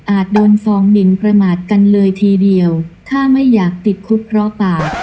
อาจโดนฟองหนิงประมาทกันเลยทีเดียวถ้าไม่อยากติดขุบเคราะห์ปาก